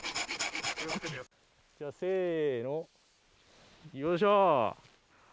じゃせのよいしょ！